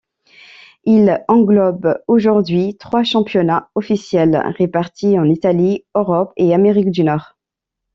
Il englobe aujourd’hui trois championnats officiels répartis en Italie, Europe et Amérique du Nord.